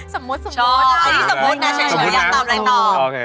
สมมติค่ะ